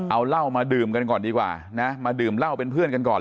เอาเหล้ามาดื่มกันก่อนดีกว่านะมาดื่มเหล้าเป็นเพื่อนกันก่อน